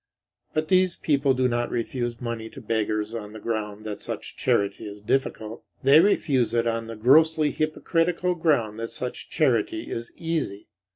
But these people do not refuse money to beggars on the ground that such charity is difficult. They refuse it on the grossly hypocritical ground that such charity is easy.